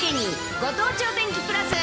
ご当地お天気プラス。